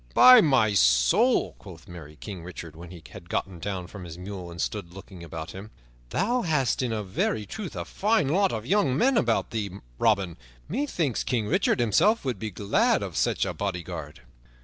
"By my soul," quoth merry King Richard, when he had gotten down from his mule and stood looking about him, "thou hast in very truth a fine lot of young men about thee, Robin. Methinks King Richard himself would be glad of such a bodyguard."